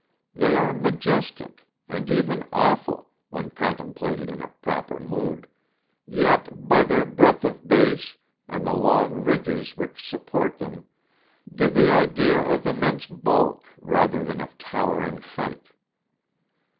They are majestic, and even awful, when contemplated in a proper mood, yet, by their breadth of base and the long ridges which support them, give the idea of immense bulk rather than of towering height.